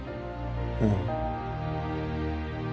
うん。